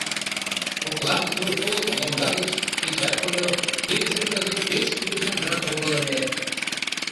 Коклан сур пыл лоҥга гыч кечат койо, тидыже кызыт пеш кӱлешанжак огыл ыле.